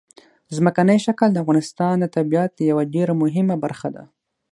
ځمکنی شکل د افغانستان د طبیعت یوه ډېره مهمه برخه ده.